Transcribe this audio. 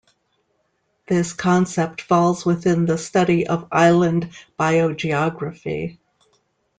This concept falls within the study of island biogeography.